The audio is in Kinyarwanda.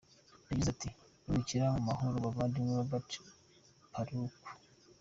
Yagize ati “Ruhukira mu mahoro muvandimwe Norbert Paluku a.